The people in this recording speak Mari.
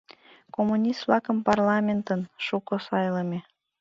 Коммунист-влакым парламентын! шуко сайлыме...